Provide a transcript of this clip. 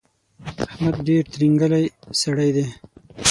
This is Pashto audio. احمد ډېر ترینګلی سړی دی.